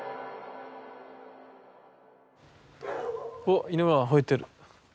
おっ犬がほえてる。